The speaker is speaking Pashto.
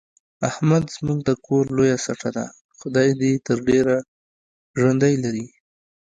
احمد زموږ د کور لویه سټه ده، خدای دې تر ډېرو ژوندی لري.